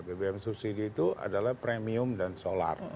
bbm subsidi itu adalah premium dan solar